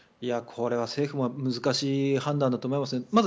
これは政府も難しい判断だと思いますね。